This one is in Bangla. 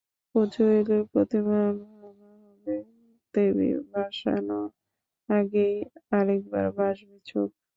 পূজা এলে প্রতিমা ভাঙা হবে, দেবী ভাসানোর আগেই আরেকবার ভাসবে চোখ।